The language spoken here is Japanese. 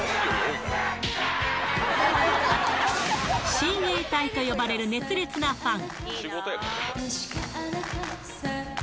親衛隊と呼ばれる熱烈なファン。